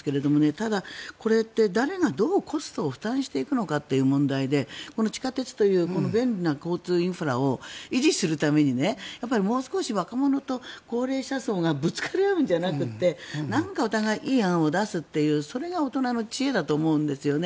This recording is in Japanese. ただ、これって誰がどうコストを負担していくのかっていう問題で地下鉄という便利な交通インフラを維持するためにもう少し、若者と高齢者層がぶつかり合うんじゃなくてお互いいい案を出すっていうそれが大人の知恵だと思うんですよね。